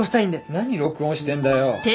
何録音してんだよ。